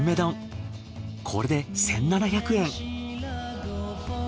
これで１，７００円。